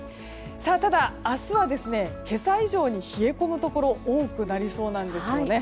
ただ、明日は今朝以上に冷え込むところが多くなりそうなんですよね。